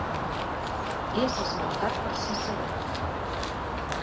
És esmentat per Ciceró.